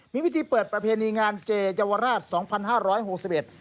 มีวิธีเปิดประเพณีงานเจเยาวราช๒๕๖๑